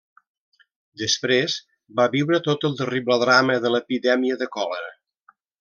Després va viure tot el terrible drama de l'epidèmia de còlera.